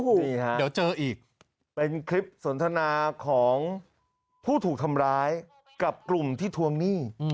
นี่ฮะเดี๋ยวเจออีกเป็นคลิปสนทนาของผู้ถูกทำร้ายกับกลุ่มที่ทวงหนี้